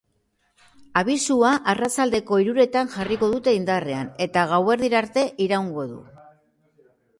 Abisua arratsaldeko hiruretan jarriko dute indarrean, eta gauerdira arte iraungo du.